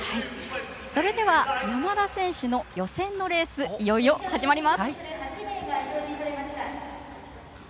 それでは山田選手の予選のレースいよいよ始まります。